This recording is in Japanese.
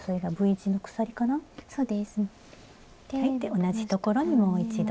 同じところにもう一度。